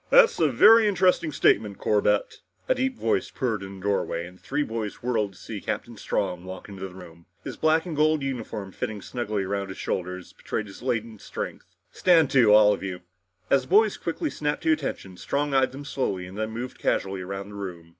"That's a very interesting statement, Corbett!" A deep voice purred from the doorway and the three boys whirled to see Captain Strong walk into the room, his black and gold uniform fitting snugly across the shoulders betraying their latent strength. "Stand to all of you!" As the boys quickly snapped to attention, Strong eyed them slowly and then moved casually around the room.